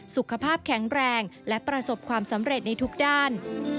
สุขภาพแข็งแรงและประสบความสำเร็จในทุกด้าน